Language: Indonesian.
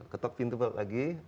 ketok pintu pagi